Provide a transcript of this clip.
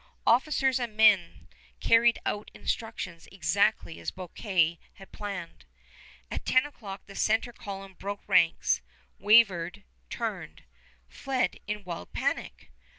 Officers and men carried out instructions exactly as Bouquet had planned. At ten o'clock the center column broke ranks, wavered, turned, ... fled in wild panic!